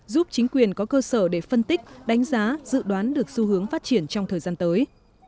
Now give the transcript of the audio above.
giúp chính quyền có cơ sở để phân tích đánh giá dự đoán được xu hướng phát triển trong thời gian tới